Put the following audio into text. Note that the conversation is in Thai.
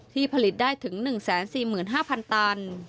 ผลิตได้ถึง๑๔๕๐๐ตัน